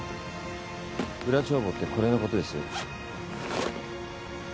裏帳簿ってこれのことです？